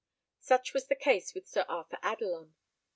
Such was the case with Sir Arthur Adelon.